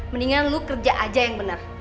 mendingan lu kerja aja yang benar